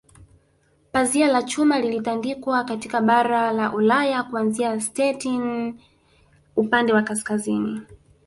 Pazia la Chuma lilitandikwa katika bara la Ulaya kuanzia Stettin upande wa kaskazini